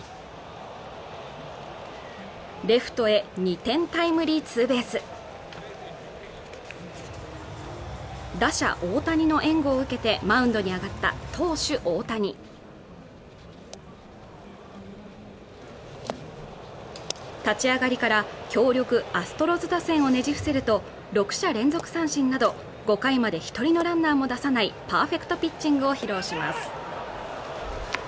レフトへ２点タイムリーツーベース打者・大谷の援護を受けてマウンドに上がった投手・大谷立ち上がりから強力アストロズ打線をねじ伏せると６者連続三振など５回まで一人のランナーも出さないパーフェクトピッチングを披露します